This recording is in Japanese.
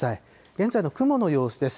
現在の雲の様子です。